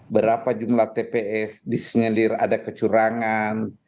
berapa jumlah tps disenyalir ada kecurangan